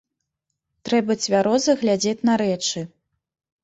Трэба цвяроза глядзець на рэчы.